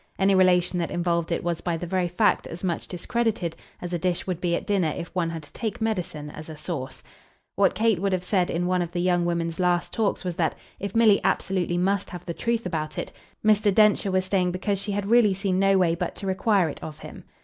Any relation that involved it was by the very fact as much discredited as a dish would be at dinner if one had to take medicine as a sauce. What Kate would have said in one of the young women's last talks was that if Milly absolutely must have the truth about it Mr. Densher was staying because she had really seen no way but to require it of him.